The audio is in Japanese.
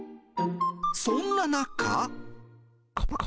そんな中。